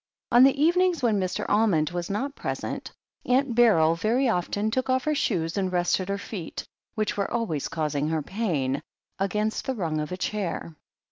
On the evenings when Mr. Almond was not present, Aunt Beryl very often took off her shoes and rested her feet, which were always causing her pain, against the rung of a chair.